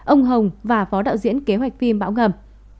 ông hồng và phó đạo diễn kế hoạch phim bão ngầm